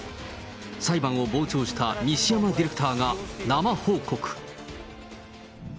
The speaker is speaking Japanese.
裁判を傍聴した西山ディレクターが生報告。